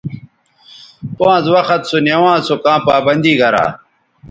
پانز وخت سونوانز سو کاں پابندی گرا